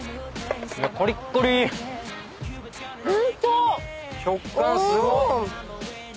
食感すごっ！